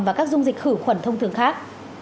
và các dung dịch khử khuẩn thông thường khác